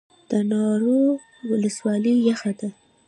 د ناور ولسوالۍ یخه ده